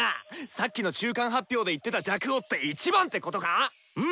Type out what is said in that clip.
さっきの中間発表で言ってた「若王」って１番ってことか⁉うん。